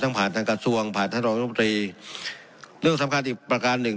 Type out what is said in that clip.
ทั้งผ่านทางกระทรวงผ่านทางโรงพยาบาลมันตรีเรื่องสำคัญอีกประการหนึ่ง